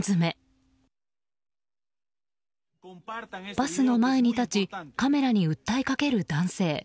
バスの前に立ちカメラに訴えかける男性。